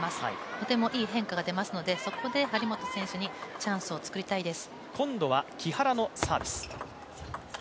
とてもいい変化が出ますので、そこで張本選手にチャンスを作りたいです。